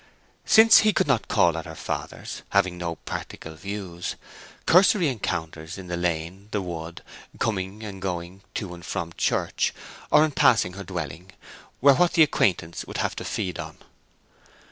Since he could not call at her father's, having no practical views, cursory encounters in the lane, in the wood, coming and going to and from church, or in passing her dwelling, were what the acquaintance would have to feed on.